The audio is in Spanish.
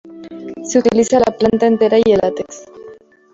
Se utiliza la planta entera y el látex.